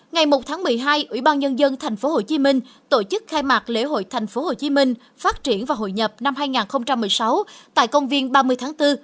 ngày một tháng một mươi hai ủy ban nhân dân tp hcm tổ chức khai mạc lễ hội tp hcm phát triển và hội nhập năm hai nghìn một mươi sáu tại công viên ba mươi tháng bốn